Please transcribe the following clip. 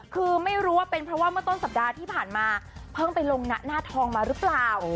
คือไม่รู้ว่าเป็นเพราะว่าเมื่อต้นสัปดาห์ที่ผ่านมาเพิ่งไปลงหน้าทองมาหรือเปล่า